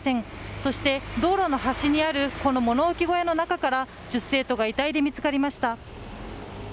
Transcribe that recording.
そして、道路の端にあるこの物置小屋の中から女子生徒が遺体で見つかりました。